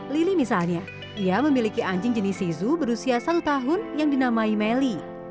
lili misalnya ia memiliki anjing jenis sisu berusia satu tahun yang dinamai melly